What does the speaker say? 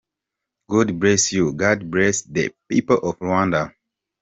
God bless you, God bless the people of Rwanda.